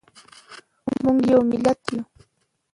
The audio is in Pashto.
موږ یو ملت یو.